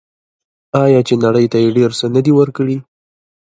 آیا چې نړۍ ته یې ډیر څه نه دي ورکړي؟